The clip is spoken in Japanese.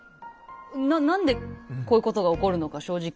何でこういうことが起こるのか正直。